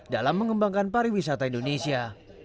dalam mengembangkan pariwisata indonesia